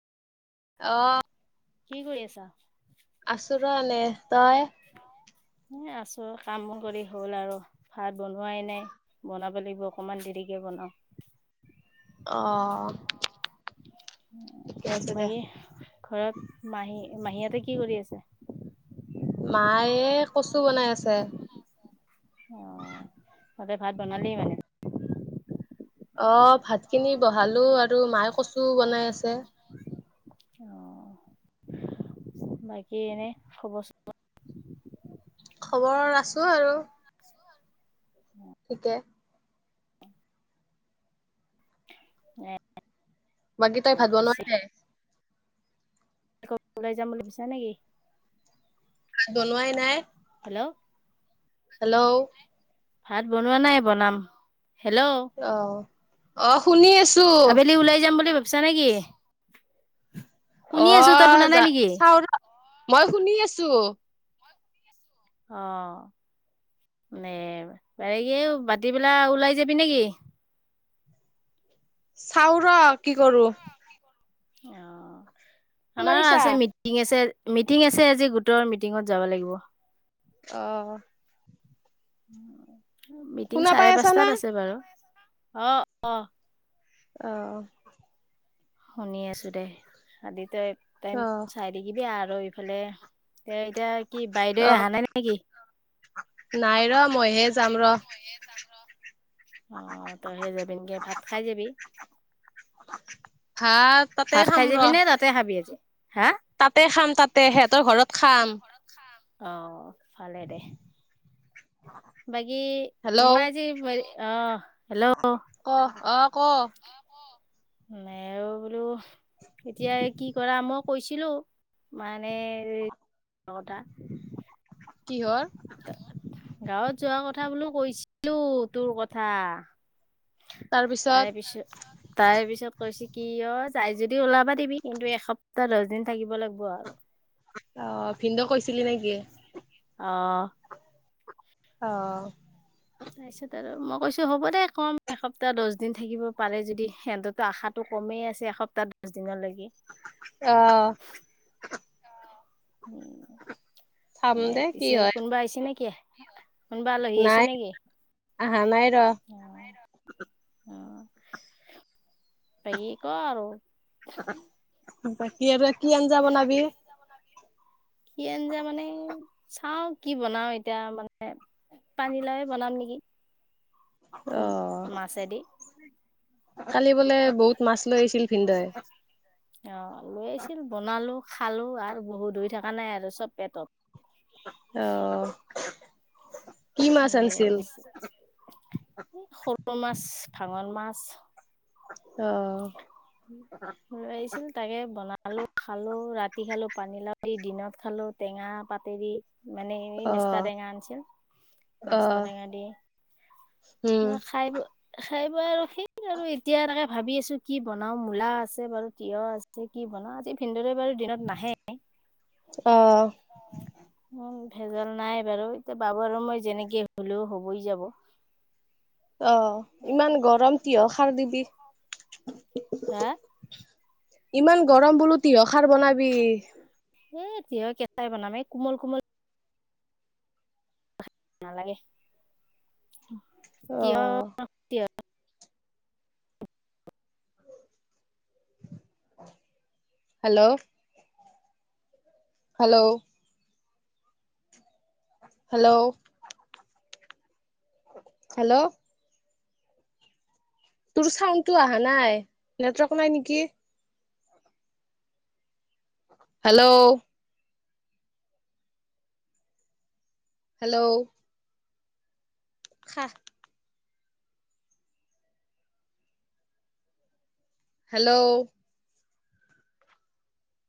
অ' কি কৰি আছা? আছো ৰ' এনে, তই? এ আছো কাম কৰি হ'ল আৰু ভাত বনোৱাই নাই। বনাব লাগিব অক'মান দেৰিকে বনাম। অ'। ঠিকে আছে দে। বাকী ঘৰত মাহী মাহীহতে কি কৰি আছে? মায়ে কচু বনাই আছে। অ তহঁতে ভাত বনালি মানে। অ' ভাত খিনি বহালো আৰু মায়ে কচুও বনাই আছে। [unintelligible] বাকী এনে খবৰ চবৰ? খবৰ আছোঁ আৰু। ঠিকে। [unintelligible] বাকী তই এ ভাত পিছে বনোৱা নাই? ওলাই যাম বুলি ভাবিছা নেকি? ভাত বনোৱাই নাই। হেল্ল'? হেল্ল'? ভাত বনোৱা নাই বনাম, হেল্ল'? অ', অ শুনি আছো। আবেলি ওলাই যাম বুলি ভাবিছা নেকি? শুনি আছো তই শুনা অ' নাই যা নেকি? চাও ৰ মই শুনি আছো। অ' নে বাতি বেলা ওলাই যাবি নেকি? চাওঁ ৰ কি কৰো। শুনা আমাৰ পাইছা? আছে মিট মিটিং আছে, মিটিং আছে আজি গোটৰ মিটিঙত যাব লাগিব। অ। মিটিং শুনা চাৰে পাই আছা না? পাঁচটাত আছে বাৰু, অ' অ'। অ। শুনি আছো দে, কালি তই টাইম অ', চাই দেখিবি আৰু এইফালে এ এতিয়া কি বাইদেৱে অহা নাই নেকি? অ' নাই ৰ মইহে যাম ৰ। অ' তই হে যাবি, ভাত খাই যাবি? ভাত তাতে ভাত খাই খাম যাবি ৰ, নে তাতে খাবি আজি? হা তাতে খাম তাতে হেতৰ ঘৰত খাম। অ ভালে দে। বাকী হেল্ল' মই আজি, অ হেল্ল'? অ' 'অ কওঁ? মে বোলো এতিয়া কি কৰা মোক। কৈছিলোঁ, মানে নটা। কি হ'ল? গাঁৱত যোৱা কথা বোলো কৈছিলো তোৰ কথা। তাৰপিছত তাৰে পিছত। তাৰ পিছত কৈছে কি, অ' যায় যদি ওলাবা দিবি, কিন্তু এসপ্তাহ দহ দিন থাকিব লাগিব আৰু। অ ভিনদেউ কৈছিলি নেকি? অঁ। অ। তাৰপিছত আৰু মই কৈছো হ'ব দে কম এসপ্তাহ দছ দিন থাকিব পাৰে যদি সিহঁতৰতো আশাত টো কমেই আছে এসপ্তাহ দছ দিনলৈকে। অঁ। চাম এ দে কি পিছে হয় কোনোবা আহিছে নেকি? কোনবা আলহী আহিছে নাই নেকি? আহা নাই। ৰ [inaudible] বাকী ক আৰু। বাকী আৰু কি আঞ্জা বনাবি? কি আঞ্জা মানে চাও কি বনাও এতিয়া মানে পানী লাওয়েই বনাম নেকি, অ উম্ মাছে দি। কালি বোলে বহুত মাছ লৈ আহিছিল ভিনদেউয়ে। অ লৈ আহিছিল বনালো খালো আৰু বহুত ধৰি থকা নাই আৰু চব পেটত। অহ। নে এ সৰু মাছ, ভাঙন মাছ। অ। [inaudible] লৈ আহিছিল তাকে বনালো খালো, ৰাতি খালো পানীলাও দি, দিনত খালো টেঙা পাতেদি। মানে এই অ মেষ্টা টেঙা আনিছিল অ মেষ্টা টেঙা দি। উম খায় বৈ খায় বৈ আৰু সেইটো আৰু এই এতিয়া তাকে ভাবি আছো কি বনাও মূলা আছে বাৰু তিঁয়হ আছে কি বনাওঁ, আজি ভিনদেওৰে বাৰু দিনত নাহে। অহ। উম ভেজাল নাই বাৰু এতিয়া বাবু আৰু মই যেনেকে হ'লেও হবই যাব। অ ইমান গৰম তিঁয়হ সাৰ দিবি হা? ইমান গৰম বোলো তিঁয়হ খাৰ বনাবি। এ তিয়হ কেঁচাই বনাম এই কোমল কোমল নালাগে। অ। তিয়হ হেল্লৌ। হেল্লৌ। হেল্লৌ। হেল্লৌ? তোৰ চাউণ্ডটো অহা নাই, নেটৱৰ্ক নাই নেকি। হেল্লৌ। হেল্লৌ। হাঁহ হেল্লৌ।